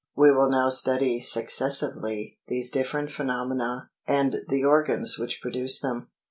We will now study successively these different phenomena, and the organs which produce them.